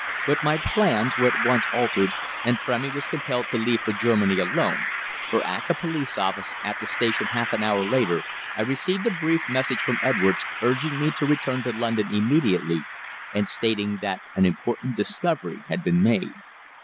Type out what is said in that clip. But my plans were at once altered, and Frémy was compelled to leave for Germany alone, for at the police office at the station half an hour later I received a brief message from Edwards urging me to return to London immediately, and stating that an important discovery had been made.